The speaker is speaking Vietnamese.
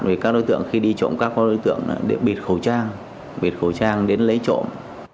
vì các đối tượng khi đi trộm các đối tượng bịt khẩu trang bịt khẩu trang đến lấy trộm